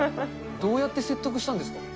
どうやって説得したんですか。